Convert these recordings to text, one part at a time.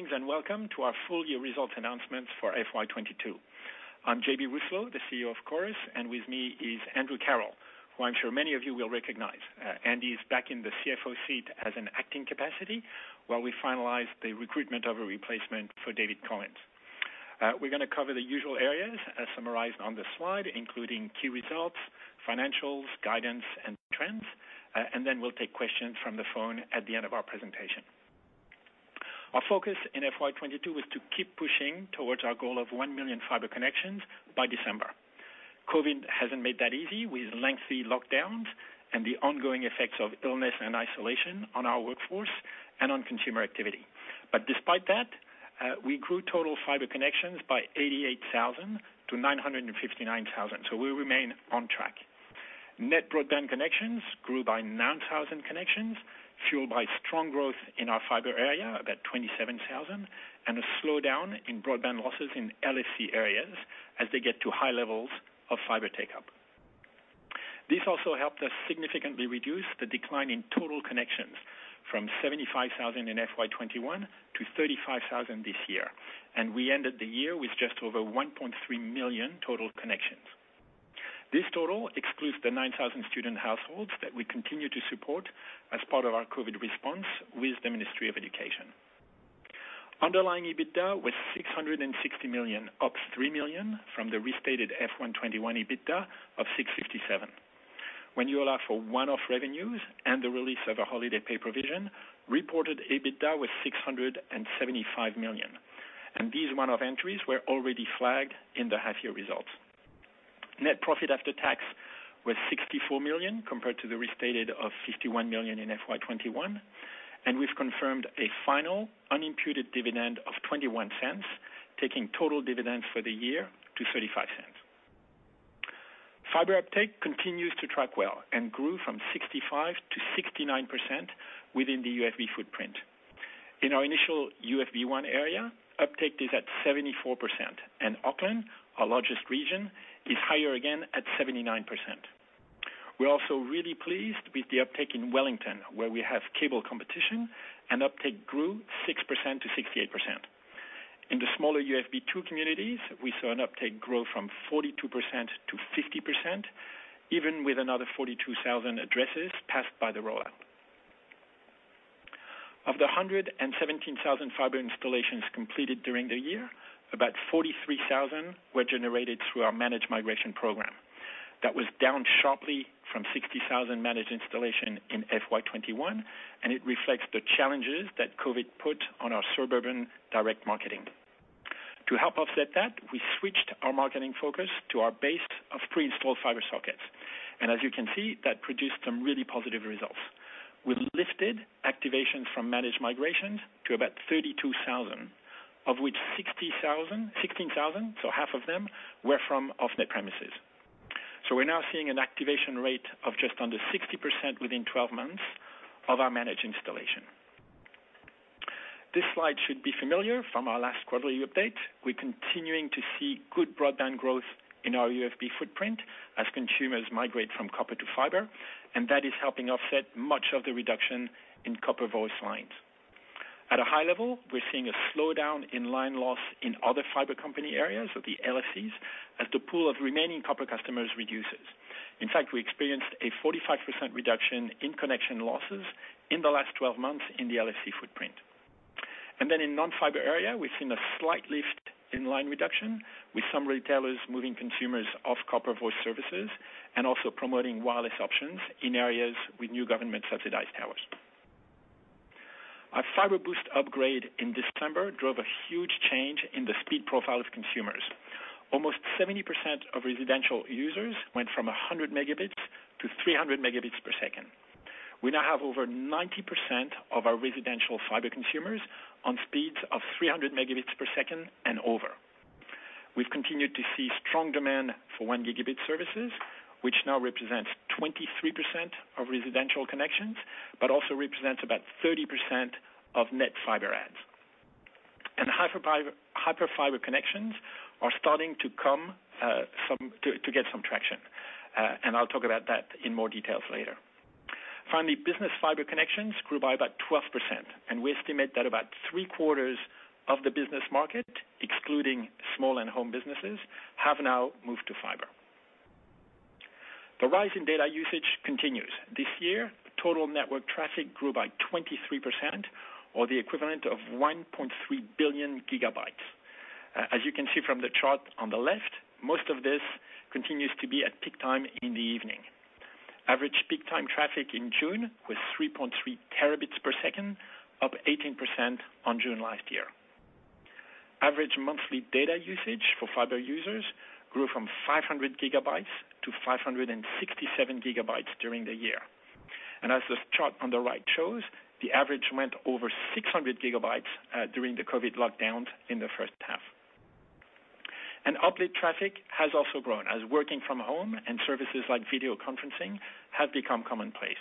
Greetings and welcome to our full year results announcements for FY 2022. I'm JB Rousselot, the CEO of Chorus, and with me is Andrew Carroll, who I'm sure many of you will recognize. Andrew is back in the CFO seat as an acting capacity while we finalize the recruitment of a replacement for David Collins. We're gonna cover the usual areas as summarized on the slide, including key results, financials, guidance, and trends, and then we'll take questions from the phone at the end of our presentation. Our focus in FY 2022 was to keep pushing towards our goal of 1 million fiber connections by December. Covid hasn't made that easy with lengthy lockdowns and the ongoing effects of illness and isolation on our workforce and on consumer activity. Despite that, we grew total fiber connections by 88,000 to 959,000. We remain on track. Net broadband connections grew by 9,000 connections, fueled by strong growth in our fiber area, about 27,000, and a slowdown in broadband losses in LFC areas as they get to high levels of fiber take-up. This also helped us significantly reduce the decline in total connections from 75,000 in FY 2021 to 35,000 this year. We ended the year with just over 1.3 million total connections. This total excludes the 9,000 student households that we continue to support as part of our COVID response with the Ministry of Education. Underlying EBITDA was 660 million, up 3 million from the restated FY 2021 EBITDA of 667 million. When you allow for one-off revenues and the release of a holiday pay provision, reported EBITDA was 675 million, and these one-off entries were already flagged in the half year results. Net profit after tax was 64 million, compared to the restated of 51 million in FY 2021. We've confirmed a final unimputed dividend of 0.21, taking total dividends for the year to 0.35. Fibre uptake continues to track well and grew from 65%-69% within the UFB footprint. In our initial UFB1 area, uptake is at 74%, and Auckland, our largest region, is higher again at 79%. We're also really pleased with the uptake in Wellington, where we have cable competition and uptake grew 6% to 68%. In the smaller UFB2 communities, we saw an uptake grow from 42% to 50%, even with another 42,000 addresses passed by the rollout. Of the 117,000 fiber installations completed during the year, about 43,000 were generated through our managed migration program. That was down sharply from 60,000 managed installation in FY 2021, and it reflects the challenges that Covid put on our suburban direct marketing. To help offset that, we switched our marketing focus to our base of pre-installed fiber sockets. As you can see, that produced some really positive results. We lifted activations from managed migration to about 32,000, of which 16,000, so half of them, were from off-net premises. We're now seeing an activation rate of just under 60% within 12 months of our managed installation. This slide should be familiar from our last quarterly update. We're continuing to see good broadband growth in our UFB footprint as consumers migrate from copper to fiber, and that is helping offset much of the reduction in copper voice lines. At a high level, we're seeing a slowdown in line loss in other fiber company areas or the LSCs as the pool of remaining copper customers reduces. In fact, we experienced a 45% reduction in connection losses in the last 12 months in the LSC footprint. In non-fiber area, we've seen a slight lift in line reduction, with some retailers moving consumers off copper voice services and also promoting wireless options in areas with new government-subsidized towers. Our Fibre Boost upgrade in December drove a huge change in the speed profile of consumers. Almost 70% of residential users went from 100 Mbps to 300 Mbps. We now have over 90% of our residential fibre consumers on speeds of 300 Mbps and over. We've continued to see strong demand for 1 gigabit services, which now represents 23% of residential connections, but also represents about 30% of net fibre adds. Hyperfibre connections are starting to come to get some traction, and I'll talk about that in more details later. Finally, business fibre connections grew by about 12%, and we estimate that about three-quarters of the business market, excluding small and home businesses, have now moved to fibre. The rise in data usage continues. This year, total network traffic grew by 23% or the equivalent of 1.3 billion GB. As you can see from the chart on the left, most of this continues to be at peak time in the evening. Average peak time traffic in June was 3.3 Tbps, up 18% on June last year. Average monthly data usage for fiber users grew from 500 GB to 567 GB during the year. As this chart on the right shows, the average went over 600 GB during the COVID lockdowns in the first half. Uplink traffic has also grown as working from home and services like video conferencing have become commonplace.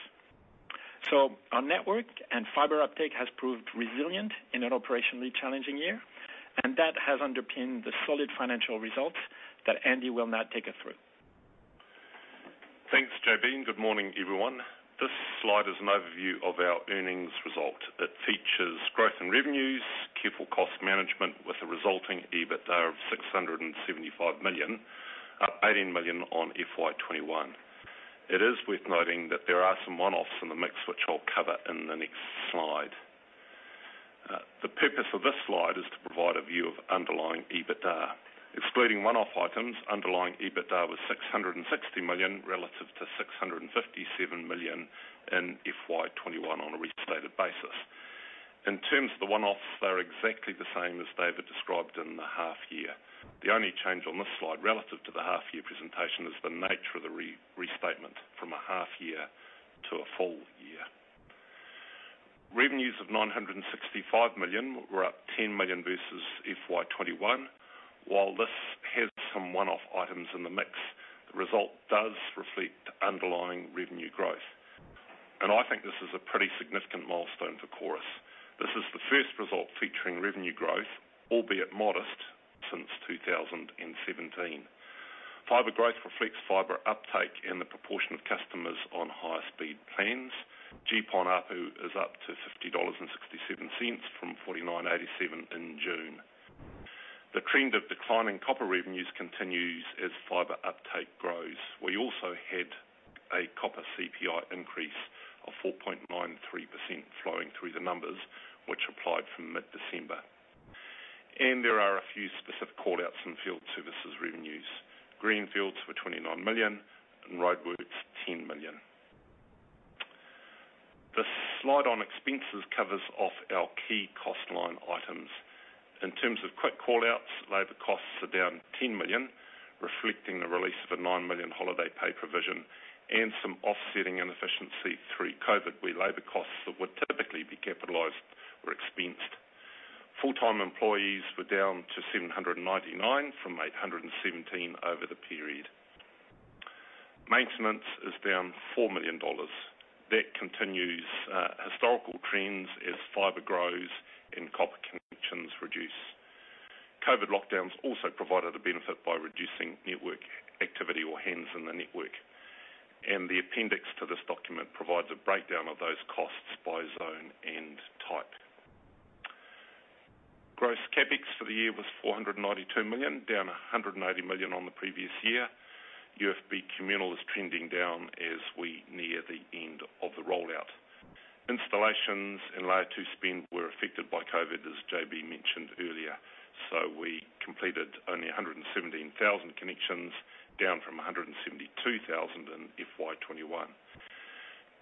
Our network and fiber uptake has proved resilient in an operationally challenging year, and that has underpinned the solid financial results that Andrew will now take us through. Thanks, JB. Good morning, everyone. This slide is an overview of our earnings result. It features growth in revenues, careful cost management with a resulting EBITDA of 675 million, up 18 million on FY 2021. It is worth noting that there are some one-offs in the mix, which I'll cover in the next slide. The purpose of this slide is to provide a view of underlying EBITDA. Excluding one-off items, underlying EBITDA was 660 million relative to 657 million in FY 2021 on a restated basis. In terms of the one-offs, they're exactly the same as David described in the half year. The only change on this slide relative to the half year presentation is the nature of the restatement from a half year to a full year. Revenues of 965 million were up 10 million versus FY 2021. While this has some one-off items in the mix, the result does reflect underlying revenue growth. I think this is a pretty significant milestone for Chorus. This is the first result featuring revenue growth, albeit modest, since 2017. Fiber growth reflects fiber uptake and the proportion of customers on higher speed plans. GPON ARPU is up to 50.67 dollars from 49.87 in June. The trend of declining copper revenues continues as fiber uptake grows. We also had a copper CPI increase of 4.93% flowing through the numbers which applied from mid-December. There are a few specific call-outs in field services revenues. Greenfields were 29 million and roadworks, 10 million. The slide on expenses covers off our key cost line items. In terms of quick call-outs, labor costs are down 10 million, reflecting the release of a 9 million holiday pay provision and some offsetting inefficiency through COVID, where labor costs that would typically be capitalized or expensed. Full-time employees were down to 799 from 817 over the period. Maintenance is down 4 million dollars. That continues historical trends as fibre grows and copper connections reduce. COVID lockdowns also provided a benefit by reducing network activity or hands in the network, and the appendix to this document provides a breakdown of those costs by zone and type. Gross CapEx for the year was 492 million, down 180 million on the previous year. UFB communal is trending down as we near the end of the rollout. Installations and layer two spend were affected by COVID, as JB mentioned earlier. We completed only 117,000 connections, down from 172,000 in FY 2021.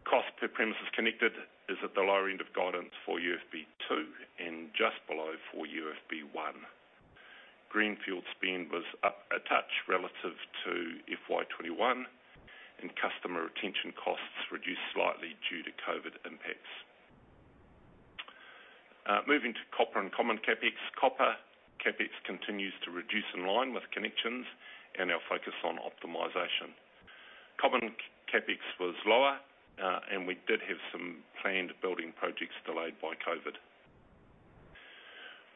Cost per premises connected is at the lower end of guidance for UFB2 and just below for UFB1. Greenfield spend was up a touch relative to FY 2021, and customer retention costs reduced slightly due to COVID impacts. Moving to copper and common CapEx. Copper CapEx continues to reduce in line with connections and our focus on optimization. Common CapEx was lower, and we did have some planned building projects delayed by COVID.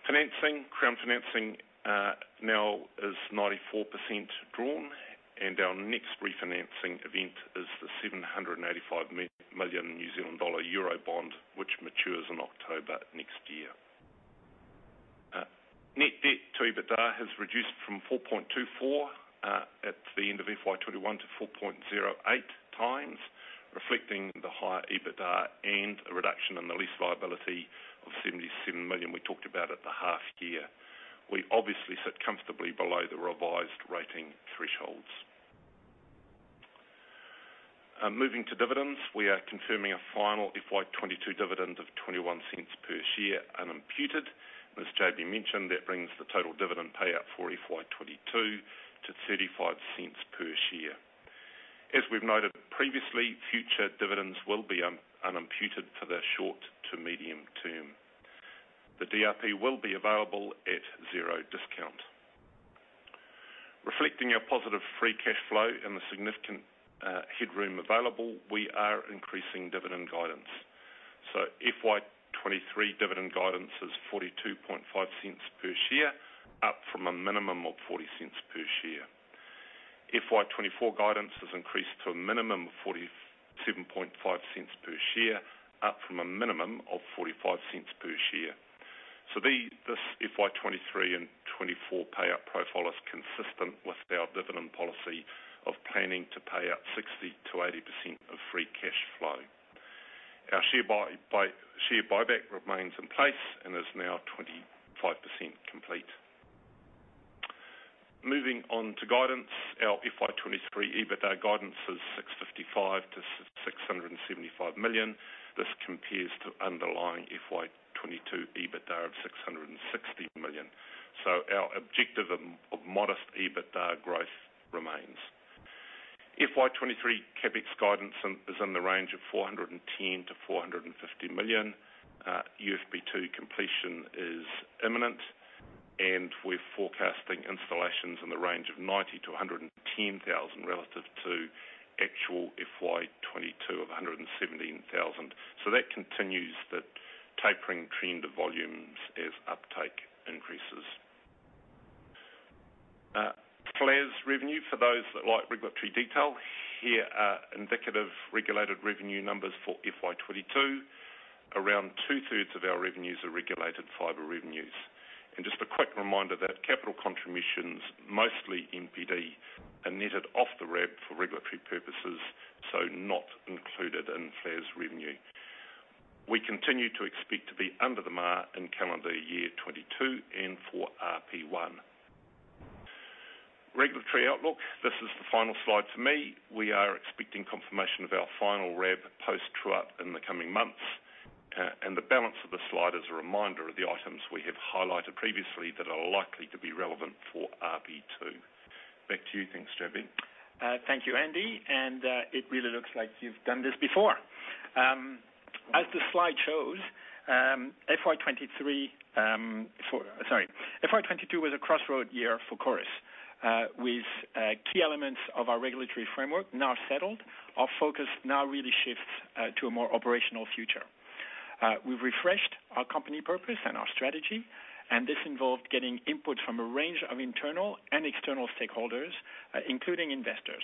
Financing. Crown financing now is 94% drawn, and our next refinancing event is the 785 million New Zealand dollars New Zealand dollar euro bond, which matures in October next year. Net debt to EBITDA has reduced from 4.24 at the end of FY 2021 to 4.08x, reflecting the higher EBITDA and a reduction in the lease liability of 77 million we talked about at the half year. We obviously sit comfortably below the revised rating thresholds. Moving to dividends. We are confirming a final FY 2022 dividend of 0.21 per share and imputed. As JB mentioned, that brings the total dividend payout for FY 2022 to 0.35 per share. As we've noted previously, future dividends will be unimputed for the short to medium term. The DRP will be available at zero discount. Reflecting our positive free cash flow and the significant headroom available, we are increasing dividend guidance. FY 2023 dividend guidance is 42.5 cents per share, up from a minimum of 40 cents per share. FY 2024 guidance has increased to a minimum of 47.5 cents per share, up from a minimum of 45 cents per share. This FY 2023 and 2024 payout profile is consistent with our dividend policy of planning to pay out 60%-80% of free cash flow. Our share buyback remains in place and is now 25% complete. Moving on to guidance. Our FY 2023 EBITDA guidance is 655-675 million. This compares to underlying FY 2022 EBITDA of 660 million. Our objective of modest EBITDA growth remains. FY 2023 CapEx guidance is in the range of 410-450 million. UFB2 completion is imminent, and we're forecasting installations in the range of 90-110,000 relative to actual. So that continues that tapering trend of volumes as uptake increases. FFLAS revenue for those that like regulatory detail here are indicative regulated revenue numbers for FY 2022. Around two-thirds of our revenues are regulated fiber revenues. Just a quick reminder that capital contributions, mostly MPD, are netted off the rev for regulatory purposes, so not included in FFLAS revenue. We continue to expect to be under the MAR in calendar year 2022 and for RP1. Regulatory outlook. This is the final slide for me. We are expecting confirmation of our final rev post true-up in the coming months. The balance of the slide is a reminder of the items we have highlighted previously that are likely to be relevant for RP2. Back to you. Thanks, JB. Thank you, Andrew. It really looks like you've done this before. As the slide shows, FY 2022 was a crossroads year for Chorus. With key elements of our regulatory framework now settled, our focus now really shifts to a more operational future. We've refreshed our company purpose and our strategy, and this involved getting input from a range of internal and external stakeholders, including investors.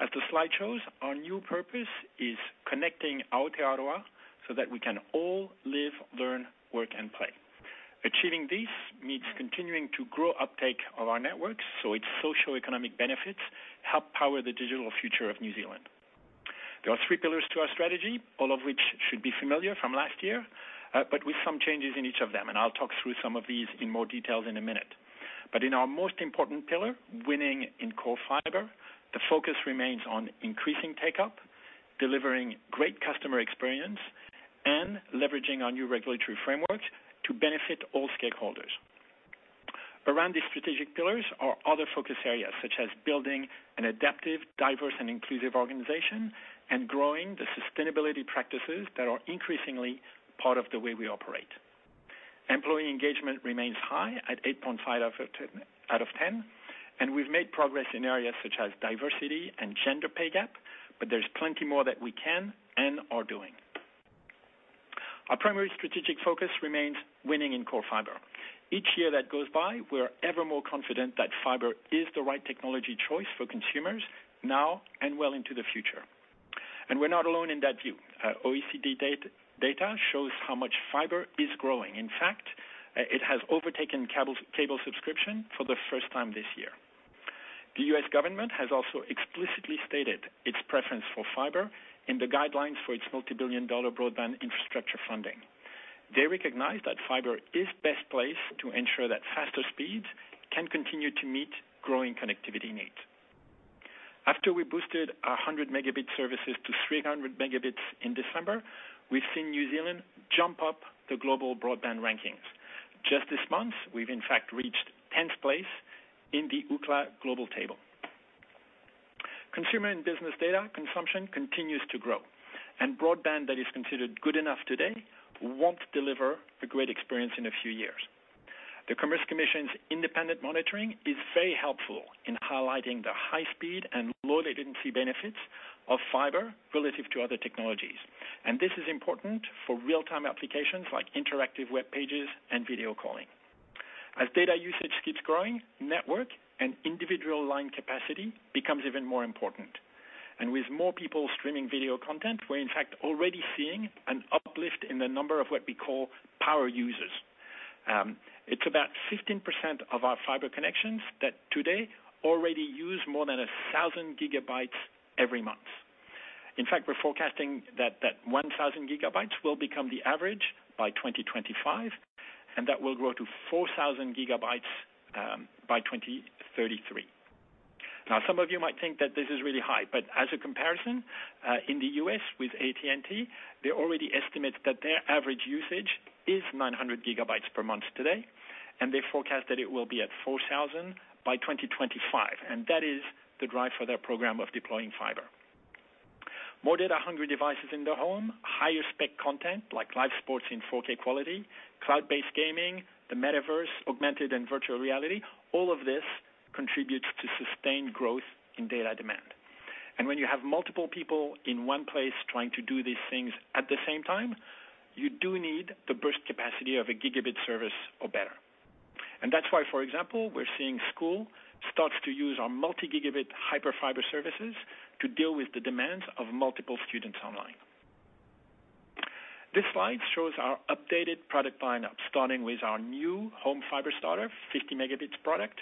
As the slide shows, our new purpose is connecting Aotearoa so that we can all live, learn, work, and play. Achieving this means continuing to grow uptake of our networks, so its socioeconomic benefits help power the digital future of New Zealand. There are three pillars to our strategy, all of which should be familiar from last year, but with some changes in each of them, and I'll talk through some of these in more details in a minute. In our most important pillar, winning in core fiber, the focus remains on increasing take-up, delivering great customer experience, and leveraging our new regulatory framework to benefit all stakeholders. Around these strategic pillars are other focus areas, such as building an adaptive, diverse and inclusive organization and growing the sustainability practices that are increasingly part of the way we operate. Employee engagement remains high at 8.5 out of 10, and we've made progress in areas such as diversity and gender pay gap, but there's plenty more that we can and are doing. Our primary strategic focus remains winning in core fiber. Each year that goes by, we are ever more confident that fiber is the right technology choice for consumers now and well into the future. We're not alone in that view. OECD data shows how much fiber is growing. In fact, it has overtaken cable subscription for the first time this year. The US government has also explicitly stated its preference for fiber in the guidelines for its multi-billion dollar broadband infrastructure funding. They recognize that fiber is best placed to ensure that faster speeds can continue to meet growing connectivity needs. After we boosted our 100 megabit services to 300 megabits in December, we've seen New Zealand jump up the global broadband rankings. Just this month, we've in fact reached tenth place in the Ookla global table. Consumer and business data consumption continues to grow, and broadband that is considered good enough today won't deliver a great experience in a few years. The Commerce Commission's independent monitoring is very helpful in highlighting the high speed and low latency benefits of fiber relative to other technologies. This is important for real-time applications like interactive web pages and video calling. As data usage keeps growing, network and individual line capacity becomes even more important. With more people streaming video content, we're in fact already seeing an uplift in the number of what we call power users. It's about 15% of our fiber connections that today already use more than 1,000 GB every month. In fact, we're forecasting that 1,000 GB will become the average by 2025, and that will grow to 4,000 GB by 2033. Now, some of you might think that this is really high, but as a comparison, in the US with AT&T, they already estimate that their average usage is 900 GB per month today, and they forecast that it will be at 4,000 by 2025, and that is the drive for their program of deploying fiber. More data hungry devices in the home, higher spec content like live sports in 4K quality, cloud-based gaming, the metaverse, augmented and virtual reality, all of this contributes to sustained growth in data demand. When you have multiple people in one place trying to do these things at the same time, you do need the burst capacity of a gigabit service or better. That's why for example, we're seeing schools start to use our multi-gigabit Hyperfibre services to deal with the demands of multiple students online. This slide shows our updated product lineup, starting with our new Home Fibre Starter, 50 Mbps product.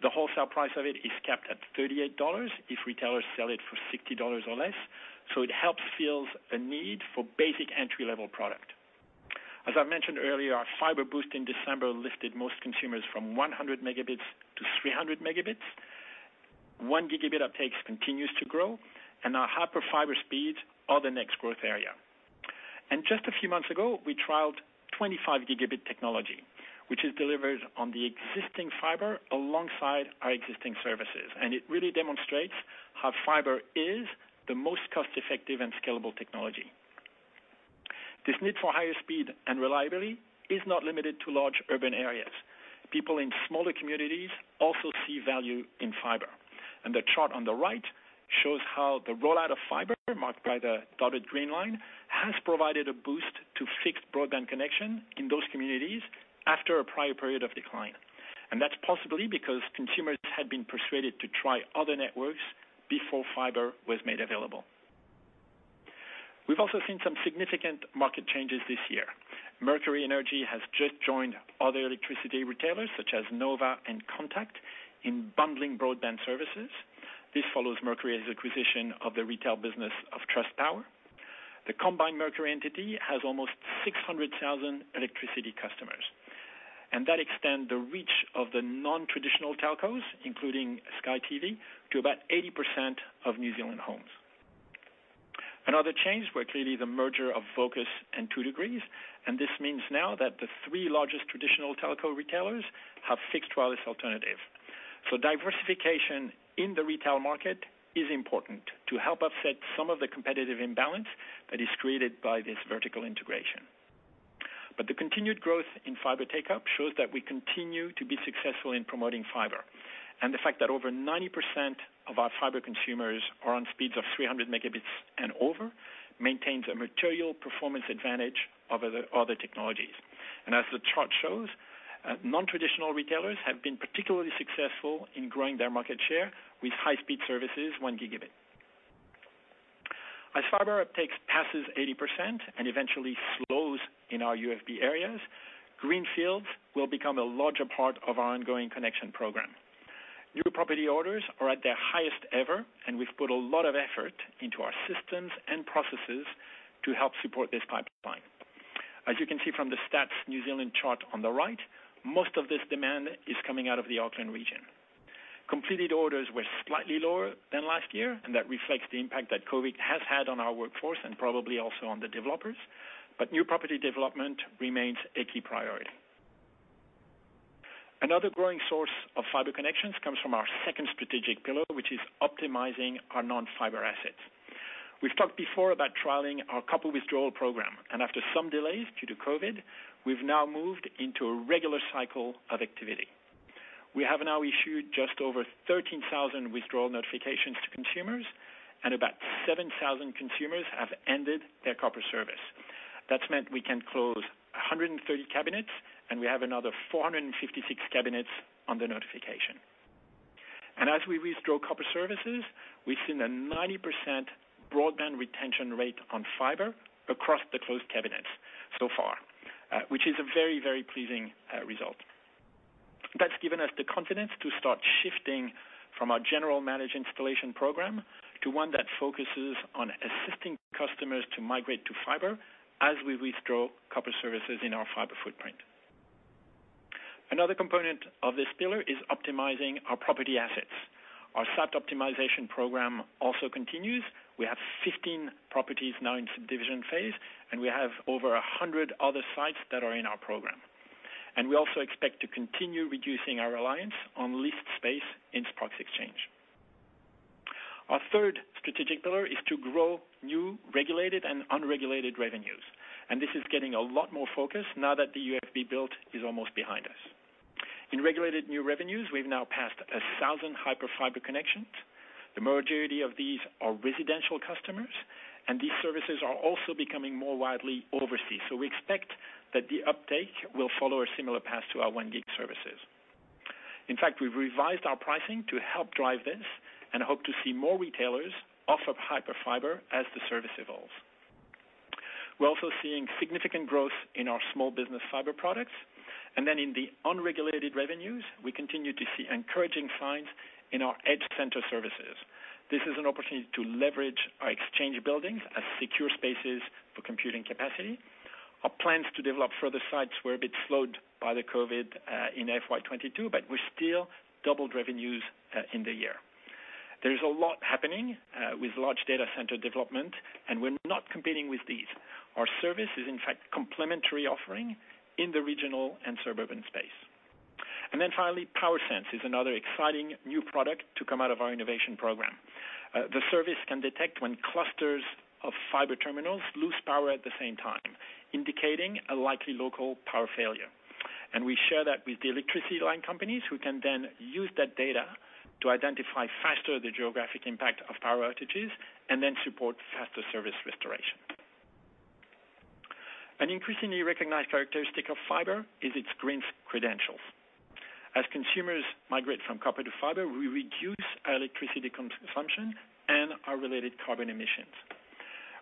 The wholesale price of it is capped at 38 dollars if retailers sell it for 60 dollars or less, so it helps fill a need for basic entry-level product. As I mentioned earlier, our Fibre Boost in December lifted most consumers from 100 Mbps to 300 Mbps. 1 Gig uptakes continues to grow and our Hyperfibre speeds are the next growth area. Just a few months ago, we trialed 25 gigabit technology, which is delivered on the existing Fibre alongside our existing services. It really demonstrates how Fibre is the most cost-effective and scalable technology. This need for higher speed and reliability is not limited to large urban areas. People in smaller communities also see value in Fibre. The chart on the right shows how the rollout of fiber, marked by the dotted green line, has provided a boost to fixed broadband connection in those communities after a prior period of decline. That's possibly because consumers had been persuaded to try other networks before fiber was made available. We've also seen some significant market changes this year. Mercury Energy has just joined other electricity retailers such as Nova and Contact in bundling broadband services. This follows Mercury's acquisition of the retail business of Trustpower. The combined Mercury entity has almost 600,000 electricity customers. That extend the reach of the non-traditional telcos, including Sky TV, to about 80% of New Zealand homes. Another change were clearly the merger of Vocus and 2degrees, and this means now that the three largest traditional telco retailers have fixed wireless alternative. Diversification in the retail market is important to help offset some of the competitive imbalance that is created by this vertical integration. The continued growth in fiber take-up shows that we continue to be successful in promoting fiber. The fact that over 90% of our fiber consumers are on speeds of 300 Mbps and over maintains a material performance advantage over the other technologies. As the chart shows, non-traditional retailers have been particularly successful in growing their market share with high-speed services, 1 Gbps. As fiber uptake passes 80% and eventually slows in our UFB areas, greenfields will become a larger part of our ongoing connection program. New property orders are at their highest ever, and we've put a lot of effort into our systems and processes to help support this pipeline. As you can see from the Stats NZ chart on the right, most of this demand is coming out of the Auckland region. Completed orders were slightly lower than last year, and that reflects the impact that COVID has had on our workforce and probably also on the developers, but new property development remains a key priority. Another growing source of fiber connections comes from our second strategic pillar, which is optimizing our non-fiber assets. We've talked before about trialing our copper withdrawal program, and after some delays due to COVID, we've now moved into a regular cycle of activity. We have now issued just over 13,000 withdrawal notifications to consumers, and about 7,000 consumers have ended their copper service. That's meant we can close 130 cabinets, and we have another 456 cabinets under notification. As we withdraw copper services, we've seen a 90% broadband retention rate on fiber across the closed cabinets so far, which is a very, very pleasing result. That's given us the confidence to start shifting from our general managed installation program to one that focuses on assisting customers to migrate to fiber as we withdraw copper services in our fiber footprint. Another component of this pillar is optimizing our property assets. Our site optimization program also continues. We have 15 properties now in subdivision phase, and we have over 100 other sites that are in our program. We also expect to continue reducing our reliance on leased space in Spark's exchange. Our third strategic pillar is to grow new regulated and unregulated revenues, and this is getting a lot more focus now that the UFB build is almost behind us. In regulated new revenues, we've now passed 1,000 Hyperfibre connections. The majority of these are residential customers, and these services are also becoming more widely overseas. We expect that the uptake will follow a similar path to our 1 Gig services. In fact, we've revised our pricing to help drive this and hope to see more retailers offer Hyperfibre as the service evolves. We're also seeing significant growth in our small business fiber products. In the unregulated revenues, we continue to see encouraging signs in our EdgeCentre services. This is an opportunity to leverage our exchange buildings as secure spaces for computing capacity. Our plans to develop further sites were a bit slowed by the COVID in FY 2022, but we still doubled revenues in the year. There is a lot happening with large data center development and we're not competing with these. Our service is, in fact, complementary offering in the regional and suburban space. Finally, Power Sense is another exciting new product to come out of our innovation program. The service can detect when clusters of fiber terminals lose power at the same time, indicating a likely local power failure. We share that with the electricity line companies who can then use that data to identify faster the geographic impact of power outages and then support faster service restoration. An increasingly recognized characteristic of fiber is its green credentials. As consumers migrate from copper to fiber, we reduce our electricity consumption and our related carbon emissions.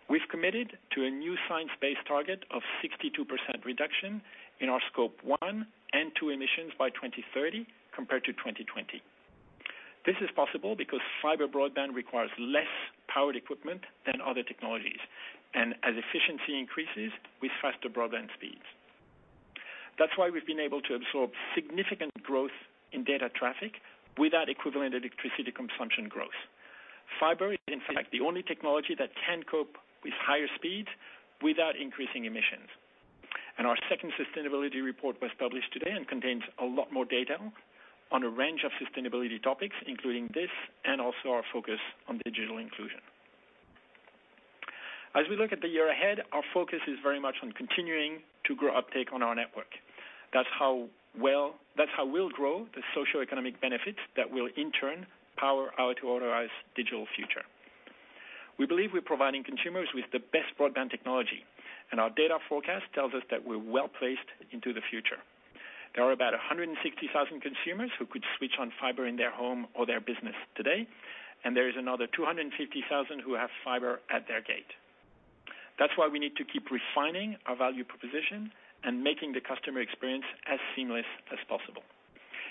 We've committed to a new science-based target of 62% reduction in our scope one and two emissions by 2030 compared to 2020. This is possible because fiber broadband requires less powered equipment than other technologies. As efficiency increases with faster broadband speeds. That's why we've been able to absorb significant growth in data traffic without equivalent electricity consumption growth. Fiber is in fact the only technology that can cope with higher speeds without increasing emissions. Our second sustainability report was published today and contains a lot more data on a range of sustainability topics, including this and also our focus on digital inclusion. As we look at the year ahead, our focus is very much on continuing to grow uptake on our network. That's how we'll grow the socioeconomic benefits that will in turn power our authorized digital future. We believe we're providing consumers with the best broadband technology, and our data forecast tells us that we're well-placed into the future. There are about 160,000 consumers who could switch on fiber in their home or their business today, and there is another 250,000 who have fiber at their gate. That's why we need to keep refining our value proposition and making the customer experience as seamless as possible.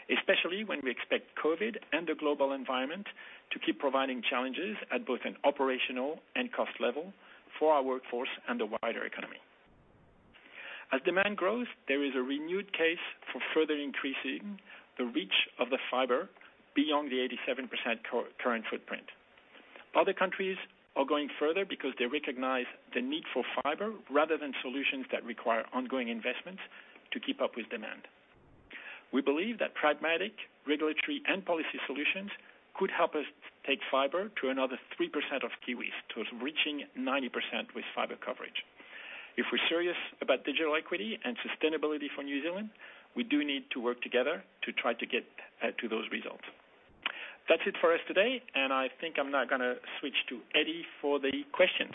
Especially when we expect COVID and the global environment to keep providing challenges at both an operational and cost level for our workforce and the wider economy. As demand grows, there is a renewed case for further increasing the reach of the fiber beyond the 87% current footprint. Other countries are going further because they recognize the need for fiber rather than solutions that require ongoing investments to keep up with demand. We believe that pragmatic regulatory and policy solutions could help us take fiber to another 3% of Kiwis, towards reaching 90% with fiber coverage. If we're serious about digital equity and sustainability for New Zealand, we do need to work together to try to get to those results. That's it for us today, and I think I'm now gonna switch to Eddie for the questions.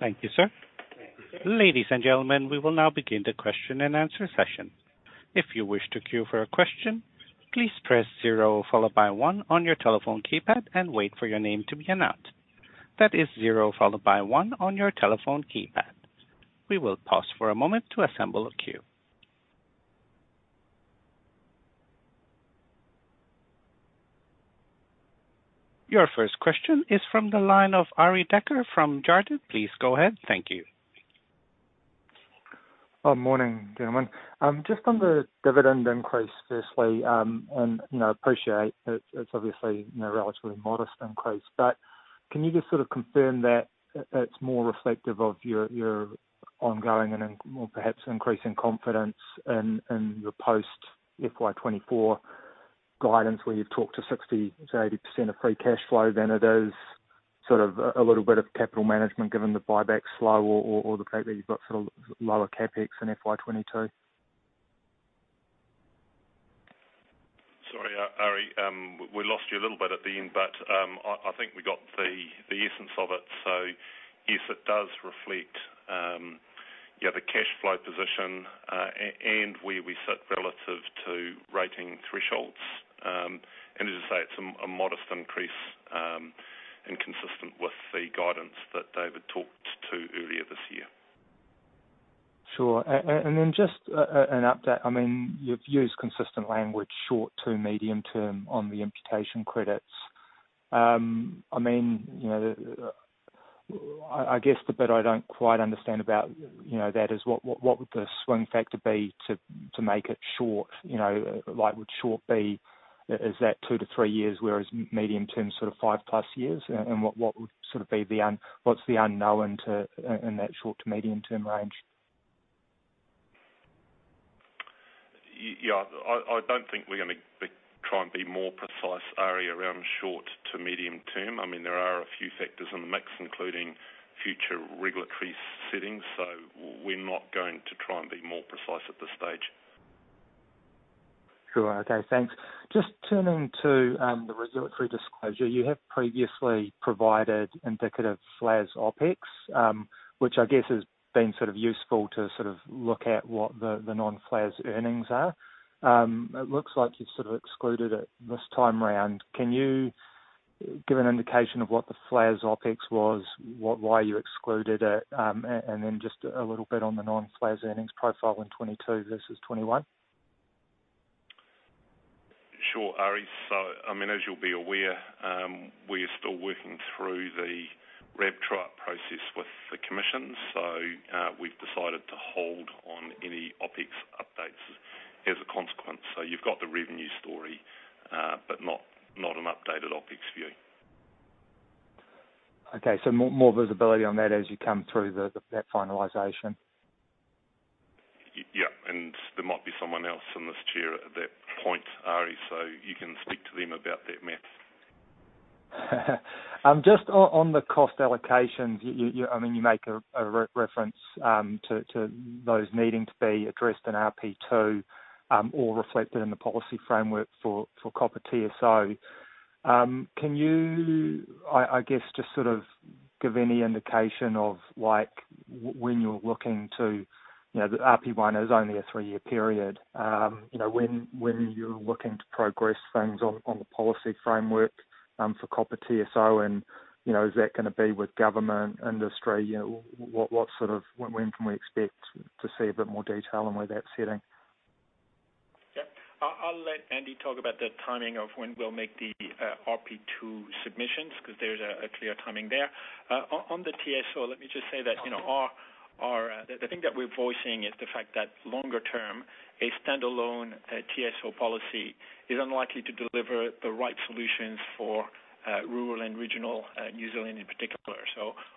Thank you, sir. Ladies and gentlemen, we will now begin the question and answer session. If you wish to queue for a question, please press zero followed by one on your telephone keypad and wait for your name to be announced. That is zero followed by one on your telephone keypad. We will pause for a moment to assemble a queue. Your first question is from the line of Arie Dekker from Jarden. Please go ahead. Thank you. Morning, gentlemen. Just on the dividend increase firstly, and you know, appreciate it's obviously, you know, relatively modest increase, but can you just sort of confirm that it's more reflective of your ongoing and then perhaps increasing confidence in your post FY 2024 guidance, where you've talked to 60%-80% of free cash flow than it is sort of a little bit of capital management given the buyback slowdown or the fact that you've got sort of lower CapEx in FY 2022? Sorry, Arie. We lost you a little bit at the end, but I think we got the essence of it. Yes, it does reflect yeah the cash flow position and where we sit relative to rating thresholds. As I say, it's a modest increase and consistent with the guidance that David talked to earlier this year. Sure. Just an update. I mean, you've used consistent language short to medium term on the imputation credits. I mean, you know, I guess the bit I don't quite understand about, you know, that is what would the swing factor be to make it short, you know? Like, would short be, is that 2-3 years, whereas medium term, sort of 5+ years? What would sort of be the unknown to, in that short to medium term range? Yeah. I don't think we're gonna try and be more precise, Arie, around short to medium term. I mean, there are a few factors in the mix, including future regulatory settings. We're not going to try and be more precise at this stage. Sure. Okay, thanks. Just turning to the regulatory disclosure. You have previously provided indicative FFLAS OPEX, which I guess has been sort of useful to sort of look at what the non-FFLAS earnings are. It looks like you've sort of excluded it this time round. Can you give an indication of what the FFLAS OPEX was, why you excluded it? Then just a little bit on the non-FFLAS earnings profile in 2022 versus 2021. Sure, Arie. I mean, as you'll be aware, we are still working through the RAB trial process with the Commission. We've decided to hold on any OpEx updates as a consequence. You've got the revenue story, but not an updated OpEx view. Okay, more visibility on that as you come through that finalization. Yeah. There might be someone else in this chair at that point, Arie, so you can speak to them about that math. Just on the cost allocations. I mean, you make a reference to those needing to be addressed in RP2 or reflected in the policy framework for copper TSO. Can you, I guess just sort of give any indication of like when you're looking to, you know, the RP1 is only a three-year period. You know, when you're looking to progress things on the policy framework for copper TSO and, you know, is that gonna be with government, industry? You know, what sort of when can we expect to see a bit more detail on where that's sitting? Yeah. I'll let Andrew talk about the timing of when we'll make the RP2 submissions, 'cause there's a clear timing there. On the TSO, let me just say that, you know, the thing that we're voicing is the fact that longer term, a standalone TSO policy is unlikely to deliver the right solutions for rural and regional New Zealand in particular.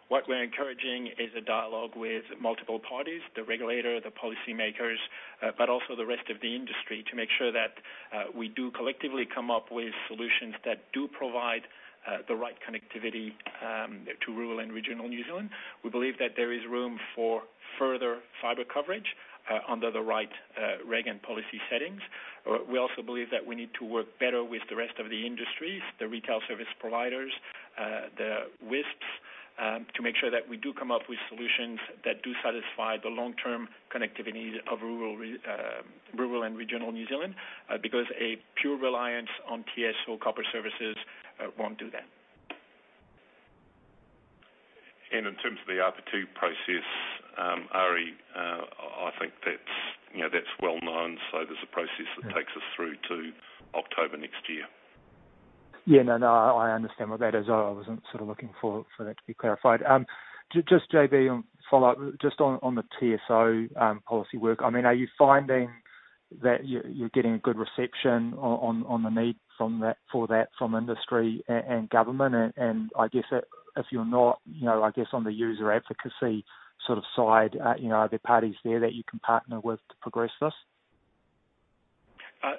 What we're encouraging is a dialogue with multiple parties, the regulator, the policymakers, but also the rest of the industry, to make sure that we do collectively come up with solutions that do provide the right connectivity to rural and regional New Zealand. We believe that there is room for further fiber coverage under the right reg and policy settings. We also believe that we need to work better with the rest of the industries, the retail service providers, the WISPs, to make sure that we do come up with solutions that do satisfy the long-term connectivity of rural and regional New Zealand, because a pure reliance on TSO copper services won't do that. In terms of the RP2 process, Arie, I think that's, you know, that's well-known, so there's a process that takes us through to October next year. Yeah. No, no, I understand what that is. I wasn't sort of looking for that to be clarified. Just JB on follow-up, just on the TSO policy work. I mean, are you finding that you're getting a good reception on the need for that from industry and government? I guess if you're not, you know, I guess on the user advocacy sort of side, you know, are there parties there that you can partner with to progress this?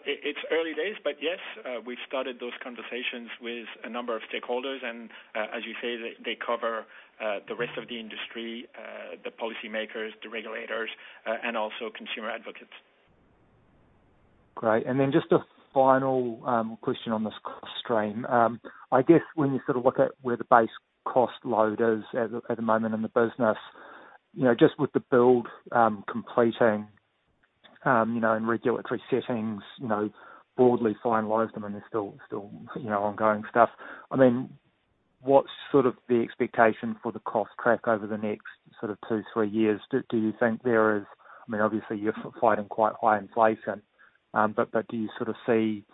It's early days, but yes, we've started those conversations with a number of stakeholders. As you say, they cover the rest of the industry, the policymakers, the regulators, and also consumer advocates. Great. Then just a final question on this cost stream. I guess when you sort of look at where the base cost load is at the moment in the business, you know, just with the build completing, you know, and regulatory settings, you know, broadly finalized, I mean, there's still you know, ongoing stuff. I mean, what's sort of the expectation for the cost track over the next sort of two, three years? Do you think there is. I mean, obviously you're fighting quite high inflation, but do you sort of see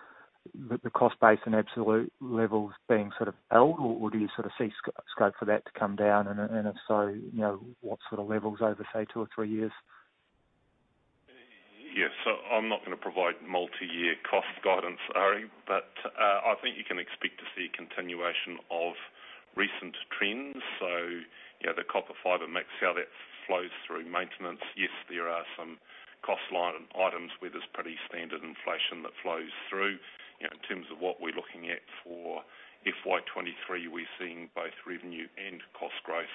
the cost base and absolute levels being sort of held, or do you sort of see scope for that to come down? And if so, you know, what sort of levels over, say, two or three years? Yes. I'm not gonna provide multi-year cost guidance, Arie, but I think you can expect to see a continuation of recent trends. You know, the copper fiber mix, how that flows through maintenance. Yes, there are some cost line items where there's pretty standard inflation that flows through. You know, in terms of what we're looking at for FY 2023, we're seeing both revenue and cost growth.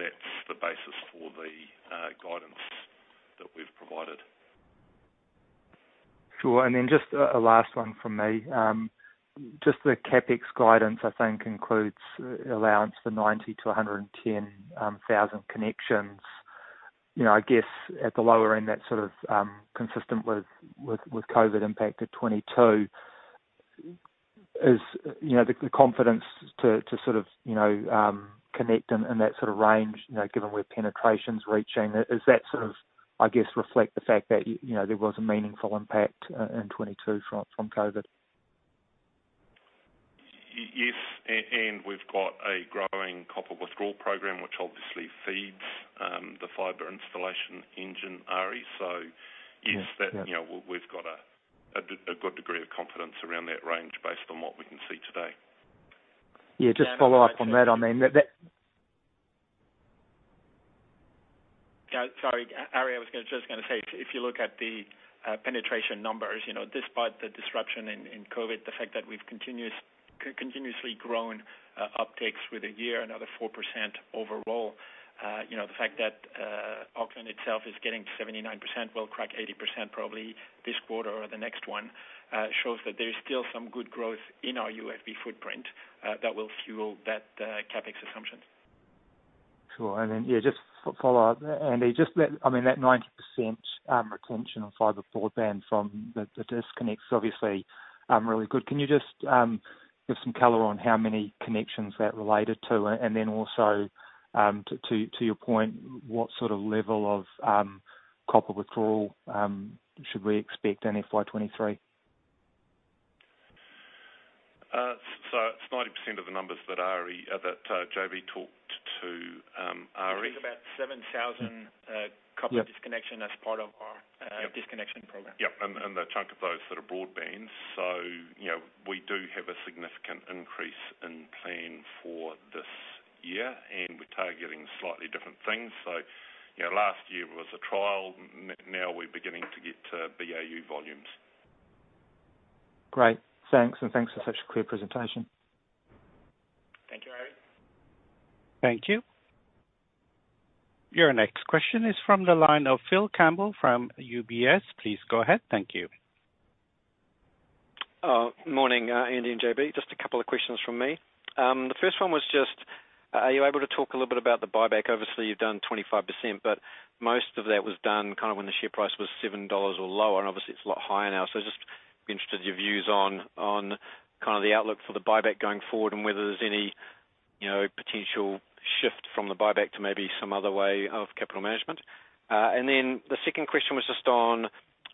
That's the basis for the guidance that we've provided. Sure. Just a last one from me. Just the CapEx guidance, I think includes allowance for 90,000-110,000 connections. You know, I guess at the lower end, that's sort of consistent with COVID impact at 2022. Is the confidence to sort of connect in that sort of range, you know, given where penetration's reaching, is that sort of, I guess, reflect the fact that, you know, there was a meaningful impact in 2022 from COVID? Yes. We've got a growing copper withdrawal program, which obviously feeds the fiber installation engine, Arie. Yeah. You know, we've got a good degree of confidence around that range based on what we can see today. Yeah. Just to follow up on that. I mean, that. Yeah. Sorry, Arie, I was just gonna say, if you look at the penetration numbers, you know, despite the disruption in COVID, the fact that we've continuously grown upticks through the year, another 4% overall, you know, the fact that Auckland itself is getting to 79%, will crack 80% probably this quarter or the next one, shows that there is still some good growth in our UFB footprint, that will fuel that CapEx assumption. Sure. Yeah, just follow up, Andrew, just that, I mean that 90% retention on fiber broadband from the disconnect's obviously really good. Can you just give some color on how many connections that related to? And then also, to your point, what sort of level of copper withdrawal should we expect in FY 2023? It's 90% of the numbers that Ari and JB talked to. Which is about 7,000. Yeah. Copper disconnection as part of our disconnection program. Yeah. A chunk of those that are broadband. You know, we do have a significant increase in plan for this year, and we're targeting slightly different things. You know, last year was a trial. Now we're beginning to get to BAU volumes. Great. Thanks. Thanks for such a clear presentation. Thank you, Arie. Thank you. Your next question is from the line of Phil Campbell from UBS. Please go ahead. Thank you. Morning, Andrew and JB. Just a couple of questions from me. The first one was just, are you able to talk a little bit about the buyback? Obviously, you've done 25%, but most of that was done kind of when the share price was 7 dollars or lower, and obviously it's a lot higher now. Just interested your views on kind of the outlook for the buyback going forward and whether there's any, you know, potential shift from the buyback to maybe some other way of capital management. Then the second question was just on,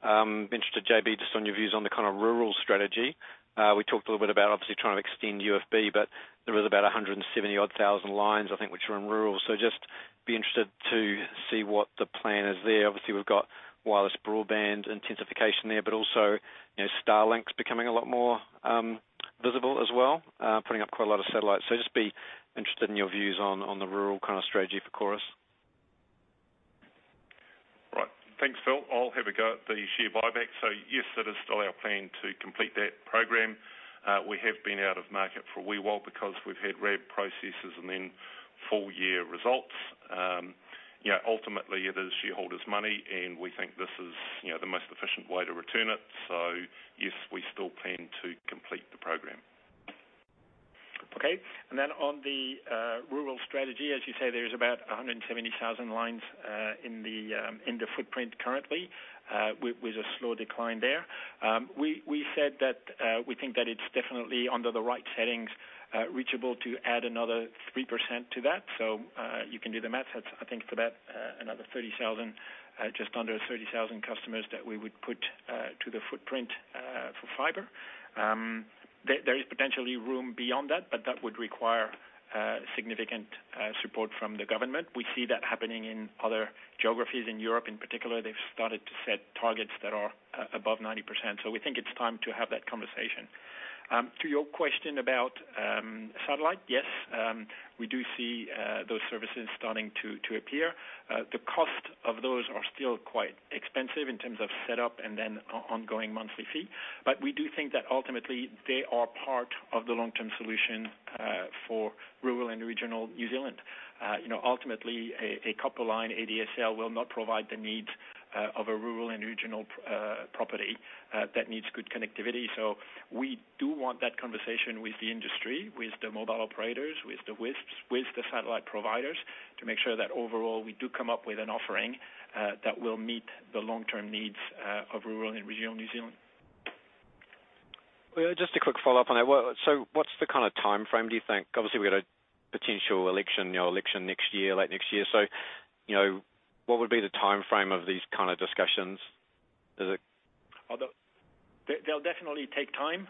JB, just on your views on the kind of rural strategy. We talked a little bit about obviously trying to extend UFB, but there was about 170,000 lines, I think, which are in rural. Just be interested to see what the plan is there. Obviously, we've got wireless broadband intensification there, but also, you know, Starlink's becoming a lot more visible as well, putting up quite a lot of satellites. Just be interested in your views on the rural kind of strategy for Chorus. Right. Thanks, Phil. I'll have a go at the share buyback. Yes, it is still our plan to complete that program. We have been out of market for a wee while because we've had RAB processes and then full year results. You know, ultimately it is shareholders' money, and we think this is, you know, the most efficient way to return it. Yes, we still plan to complete the program. Okay. On the rural strategy, as you say, there's about 170,000 lines in the footprint currently, with a slow decline there. We said that we think that it's definitely under the right settings, reachable to add another 3% to that. You can do the math. That's, I think, about another 30,000, just under 30,000 customers that we would put to the footprint for fiber. There is potentially room beyond that, but that would require significant support from the government. We see that happening in other geographies in Europe in particular. They've started to set targets that are above 90%. We think it's time to have that conversation. To your question about satellite, yes, we do see those services starting to appear. The cost of those are still quite expensive in terms of setup and then ongoing monthly fee. We do think that ultimately they are part of the long-term solution for rural and regional New Zealand. You know, ultimately a copper line ADSL will not provide the needs of a rural and regional property that needs good connectivity. We do want that conversation with the industry, with the mobile operators, with the WISPs, with the satellite providers, to make sure that overall we do come up with an offering that will meet the long-term needs of rural and regional New Zealand. Well, just a quick follow-up on that. Well, what's the kind of timeframe do you think? Obviously, we had a potential election, you know, election next year, like next year. You know, what would be the timeframe of these kind of discussions? Is it? Although they'll definitely take time,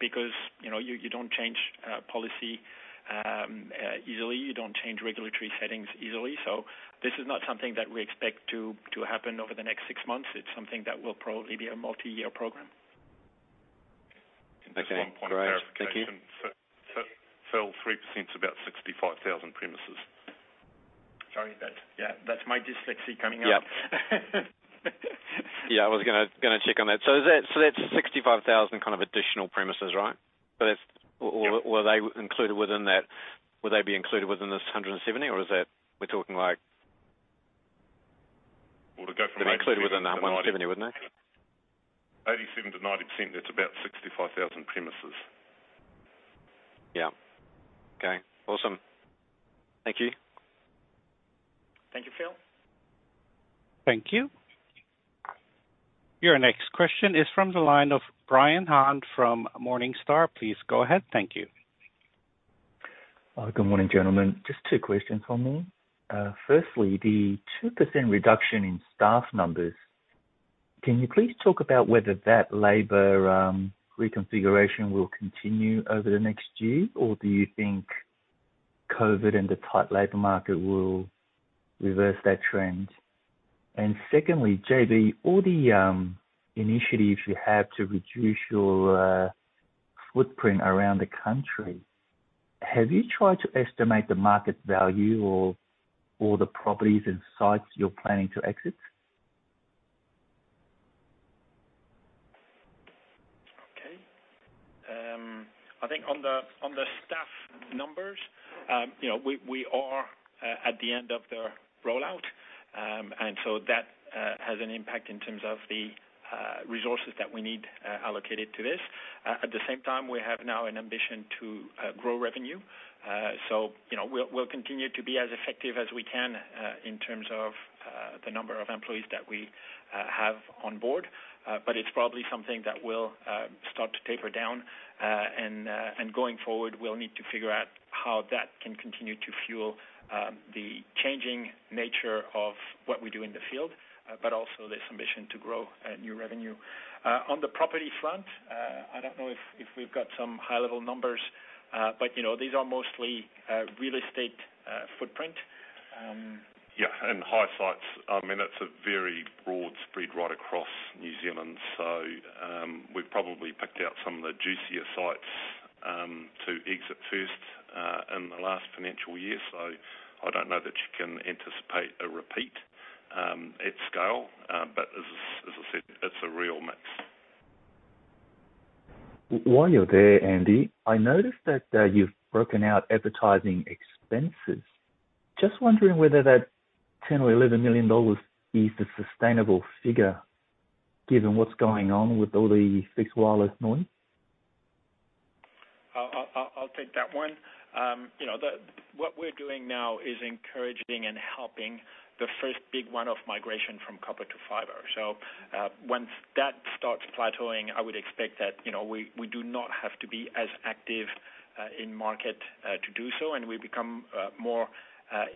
because you know you don't change policy easily. You don't change regulatory settings easily. This is not something that we expect to happen over the next six months. It's something that will probably be a multi-year program. Okay. All right. Thank you. Just one point of clarification. Phil, 3% is about 65,000 premises. Yeah, that's my dyslexia coming out. Yeah. Yeah, I was gonna check on that. That's 65,000 kind of additional premises, right? If- Yeah. Were they included within that? Would they be included within this 170 or is that we're talking like? Well, to go from. They'd be included within that 170, wouldn't they? 87%-90%, that's about 65,000 premises. Yeah. Okay. Awesome. Thank you. Thank you, Phil. Thank you. Your next question is from the line of Brian Han from Morningstar. Please go ahead. Thank you. Good morning, gentlemen. Just two questions for me. Firstly, the 2% reduction in staff numbers, can you please talk about whether that labor reconfiguration will continue over the next year, or do you think COVID and the tight labor market will reverse that trend? Secondly, JB, all the initiatives you have to reduce your footprint around the country, have you tried to estimate the market value or the properties and sites you're planning to exit? Okay. I think on the staff numbers, you know, we are at the end of the rollout. That has an impact in terms of the resources that we need allocated to this. At the same time, we have now an ambition to grow revenue. You know, we'll continue to be as effective as we can in terms of the number of employees that we have on board. It's probably something that will start to taper down. Going forward, we'll need to figure out how that can continue to fuel the changing nature of what we do in the field, but also this ambition to grow new revenue. On the property front, I don't know if we've got some high-level numbers, but you know, these are mostly real estate footprint. High sites. I mean, that's a very broad spread right across New Zealand. We've probably picked out some of the juicier sites to exit first in the last financial year. I don't know that you can anticipate a repeat at scale. As I said, it's a real mix. While you're there, Andrew, I noticed that you've broken out advertising expenses. Just wondering whether that 10 million or 11 million dollars is the sustainable figure given what's going on with all the fixed wireless noise. I'll take that one. You know, what we're doing now is encouraging and helping the first big one-off migration from copper to fiber. Once that starts plateauing, I would expect that, you know, we do not have to be as active in market to do so, and we become more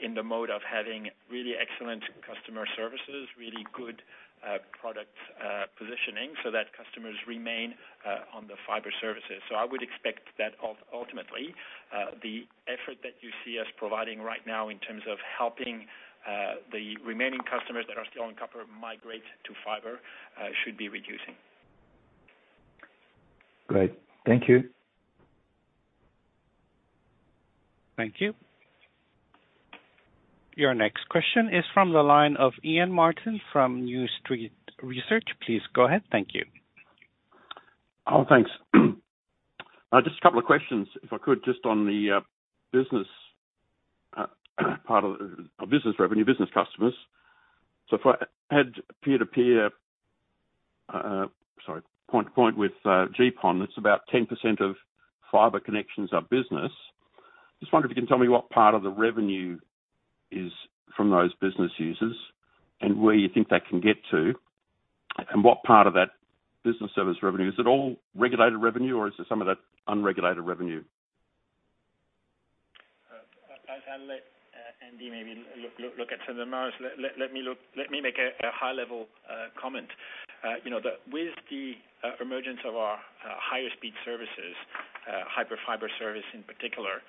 in the mode of having really excellent customer services, really good product positioning so that customers remain on the fiber services. I would expect that ultimately the effort that you see us providing right now in terms of helping the remaining customers that are still on copper migrate to fiber should be reducing. Great. Thank you. Thank you. Your next question is from the line of Ian Martin from New Street Research. Please go ahead. Thank you. Oh, thanks. Just a couple of questions if I could, just on the business part of the business revenue, business customers. If I had point-to-point with GPON, it's about 10% of fiber connections are business. Just wonder if you can tell me what part of the revenue is from those business users and where you think that can get to, and what part of that business service revenue. Is it all regulated revenue or is there some of that unregulated revenue? I'll let Andrew maybe look at some of the numbers. Let me look. Let me make a high level comment. You know, with the emergence of our higher speed services, Hyperfibre service in particular,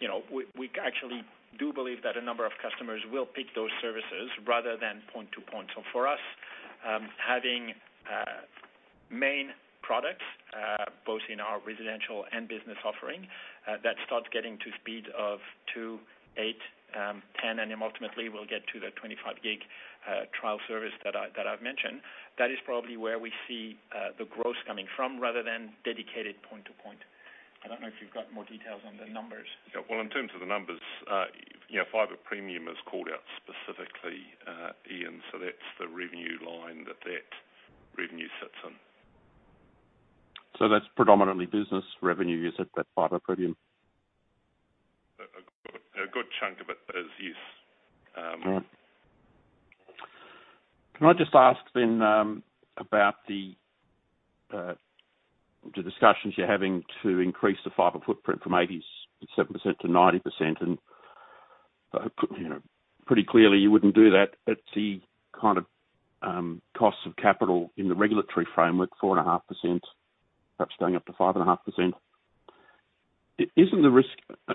you know, we actually do believe that a number of customers will pick those services rather than point-to-point. For us, having main products both in our residential and business offering that starts getting to speed of 2, 8, 10, and then ultimately we'll get to the 25 gig trial service that I've mentioned. That is probably where we see the growth coming from rather than dedicated point-to-point. I don't know if you've got more details on the numbers. Well, in terms of the numbers, you know, Fibre Premium is called out specifically, Ian, so that's the revenue line that revenue sits on. That's predominantly business revenue, is it, that Fibre Premium? A good chunk of it is, yes. All right. Can I just ask about the discussions you're having to increase the fiber footprint from 87% to 90%? You know, pretty clearly you wouldn't do that at the kind of costs of capital in the regulatory framework, 4.5%, perhaps going up to 5.5%. Isn't the risk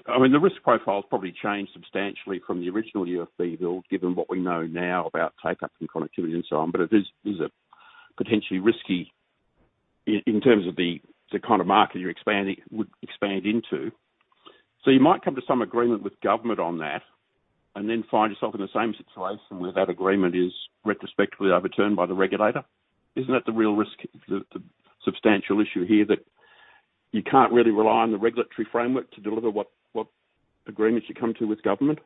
I mean, the risk profile's probably changed substantially from the original UFB build, given what we know now about take-up and connectivity and so on, but it is a potentially risky in terms of the kind of market you're expanding into. You might come to some agreement with government on that and then find yourself in the same situation where that agreement is retrospectively overturned by the regulator. Isn't that the real risk, the substantial issue here, that you can't really rely on the regulatory framework to deliver what agreements you come to with government?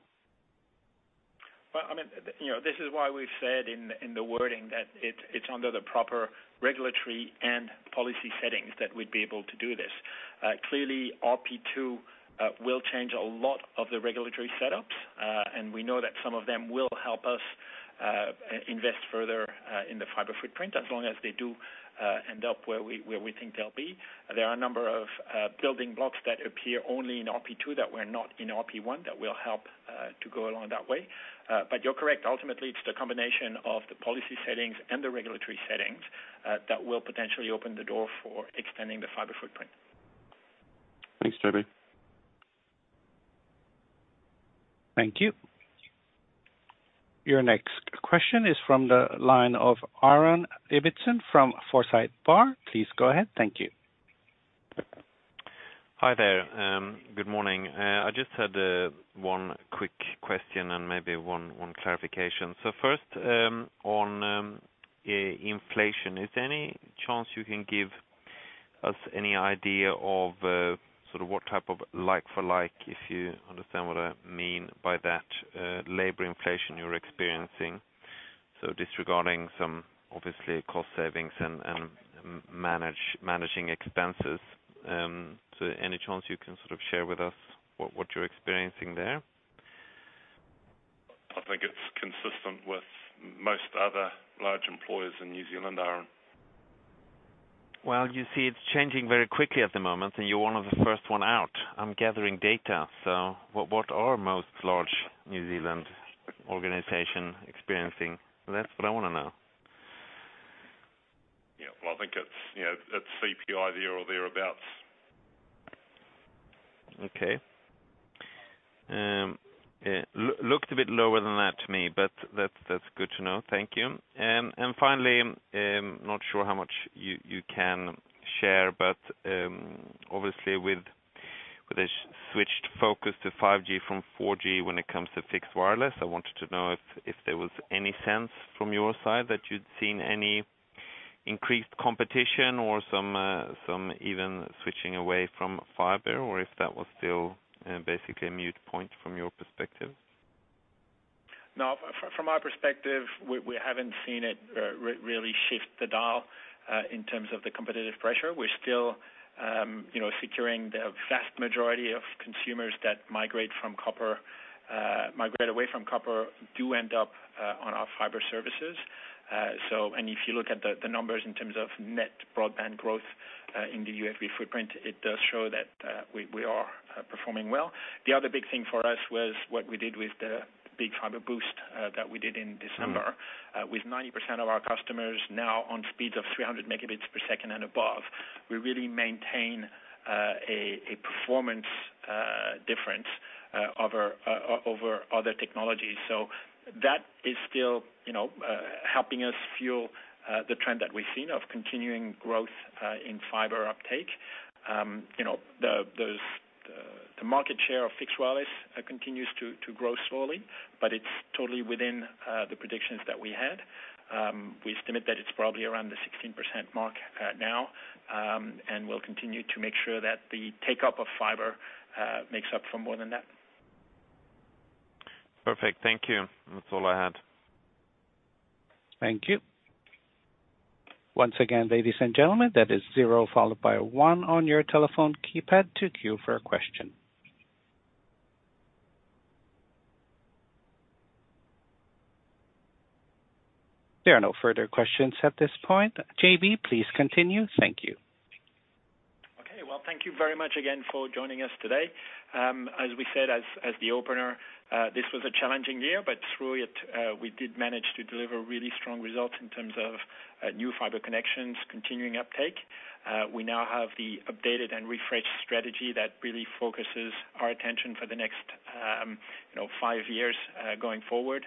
Well, I mean, you know, this is why we've said in the wording that it's under the proper regulatory and policy settings that we'd be able to do this. Clearly RP2 will change a lot of the regulatory setups, and we know that some of them will help us invest further in the fiber footprint as long as they do end up where we think they'll be. There are a number of building blocks that appear only in RP2 that were not in RP1 that will help to go along that way. You're correct. Ultimately, it's the combination of the policy settings and the regulatory settings that will potentially open the door for extending the fiber footprint. Thanks, JB. Thank you. Your next question is from the line of Aaron Ibbotson from Forsyth Barr. Please go ahead. Thank you. Hi there. Good morning. I just had one quick question and maybe one clarification. First, on inflation. Is there any chance you can give us any idea of sort of what type of like for like, if you understand what I mean by that, labor inflation you're experiencing? Disregarding some obviously cost savings and managing expenses. Any chance you can sort of share with us what you're experiencing there? I think it's consistent with most other large employers in New Zealand, Aaron. Well, you see it's changing very quickly at the moment, and you're one of the first one out. I'm gathering data. What are most large New Zealand organization experiencing? That's what I wanna know. Yeah. Well, I think it's, you know, it's CPI there or thereabouts. Okay. Looked a bit lower than that to me, but that's good to know. Thank you. Finally, not sure how much you can share, but obviously with a switched focus to 5G from 4G when it comes to fixed wireless, I wanted to know if there was any sense from your side that you'd seen any increased competition or some even switching away from fiber or if that was still basically a moot point from your perspective. No, from our perspective, we haven't seen it really shift the dial in terms of the competitive pressure. We're still, you know, securing the vast majority of consumers that migrate from copper, migrate away from copper, do end up on our fiber services. If you look at the numbers in terms of net broadband growth in the UFB footprint, it does show that we are performing well. The other big thing for us was what we did with the big Fiber Boost that we did in December. Mm. With 90% of our customers now on speeds of 300 Mbps and above, we really maintain a performance difference over other technologies. That is still, you know, helping us fuel the trend that we've seen of continuing growth in fibre uptake. The market share of fixed wireless continues to grow slowly, but it's totally within the predictions that we had. We estimate that it's probably around the 16% mark now. We'll continue to make sure that the take-up of fibre makes up for more than that. Perfect. Thank you. That's all I had. Thank you. Once again, ladies and gentlemen, that is zero followed by one on your telephone keypad to queue for a question. There are no further questions at this point. JB, please continue. Thank you. Okay. Well, thank you very much again for joining us today. As we said as the opener, this was a challenging year, but through it, we did manage to deliver really strong results in terms of new fiber connections, continuing uptake. We now have the updated and refreshed strategy that really focuses our attention for the next, you know, five years going forward.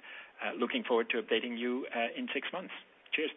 Looking forward to updating you in six months. Cheers.